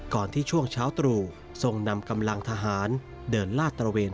ที่ช่วงเช้าตรู่ทรงนำกำลังทหารเดินลาดตระเวน